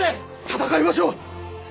戦いましょう！